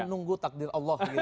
menunggu takdir allah